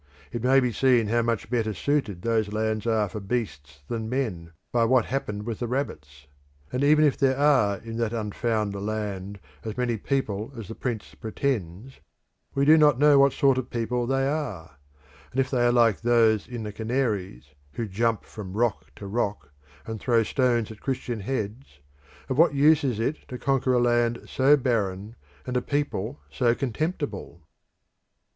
It may be seen how much better suited those lands are for beasts than men by what happened with the rabbits. And even if there are in that unfound land as many people as the Prince pretends, we do not know what sort of people they are; and if they are like those in the Canaries who jump from rock to rock, and throw stones at Christian heads, of what use is it to conquer a land so barren, and a people so contemptible?"